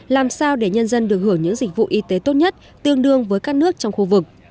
làm sao để nhân dân được hưởng những dịch vụ y tế tốt nhất tương đương với các nước trong khu vực